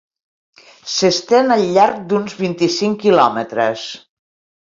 S'estén al llarg d'uns vint-i-cinc quilòmetres.